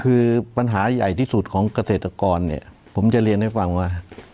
คือปัญหาใหญ่ที่สุดของเกษตรกรเนี่ยผมจะเรียนให้ฟังว่า